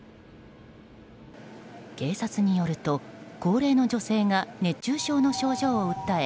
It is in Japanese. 警察によると高齢の女性が熱中症の症状を訴え